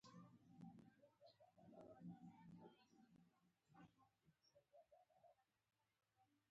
که کټارې ته نږدې شمال لور ته وګورو، نوګالس اریزونا به وینو.